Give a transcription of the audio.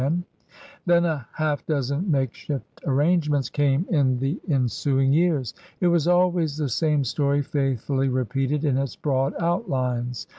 Then a half dozen makeshift arrange ments came in the ensuing years. It was always the same story faithfully repeated in its broad outlines.